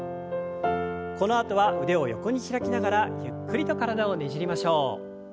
このあとは腕を横に開きながらゆっくりと体をねじりましょう。